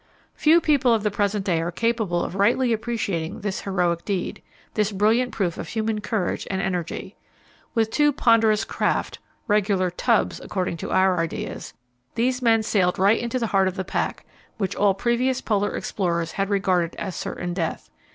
Few people of the present day are capable of rightly appreciating this heroic deed; this brilliant proof of human courage and energy. With two ponderous craft regular "tubs" according to our ideas these men sailed right into the heart of the pack, which all previous polar explorers had regarded as certain death.